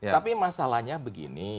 tapi masalahnya begini